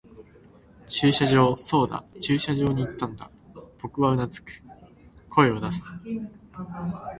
駐車場。そうだ、駐車場に行ったんだ。僕は呟く、声を出す。